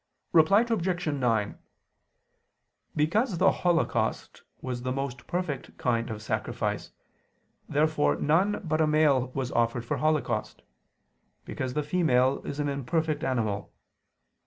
Reply Obj. 9: Because the holocaust was the most perfect kind of sacrifice, therefore none but a male was offered for a holocaust: because the female is an imperfect animal.